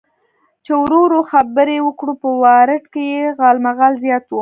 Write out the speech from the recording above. چې ورو ورو خبرې وکړو، په وارډ کې یې غالمغال زیات و.